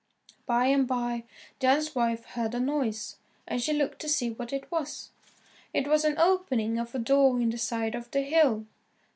By and by Jan's wife heard a noise, and she looked to see what it was. It was an opening of a door in the side of the hill.